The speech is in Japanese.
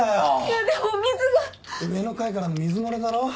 上の階からの水漏れだろ？